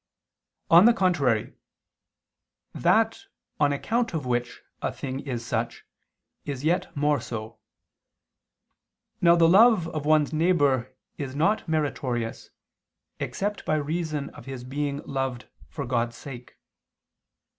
On the contrary, That on account of which a thing is such, is yet more so. Now the love of one's neighbor is not meritorious, except by reason of his being loved for God's sake.